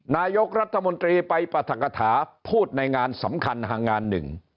นายกรัฐมนตรีไปปรัฐกฐาพูดในงานสำคัญหางานหนึ่ง